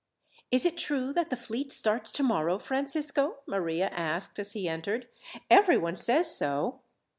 "Is it true that the fleet starts tomorrow, Francisco?" Maria asked as he entered. "Everyone says so."